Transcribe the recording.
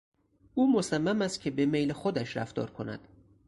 او مصمم است که به میل خودش رفتار کند.